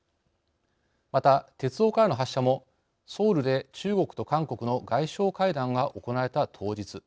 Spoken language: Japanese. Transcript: また鉄道からの発射もソウルで中国と韓国の外相会談が行われた当日。